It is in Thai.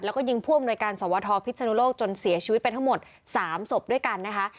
แล้วก็ยิงผู้อำนวยการสวทพิศนุโลกจนเสียชีวิตไปทั้งหมด๓ศพด้วยกันนะคะ